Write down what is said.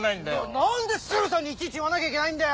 なんでスーさんにいちいち言わなきゃいけないんだよ。